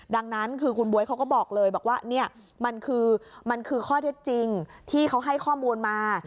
ดังนั้นคือคุณบ๊วยเขาก็บอกเลยบอกว่าเนี่ยมันคือมันคือข้อเท็จจริงที่เขาให้ข้อมูลมา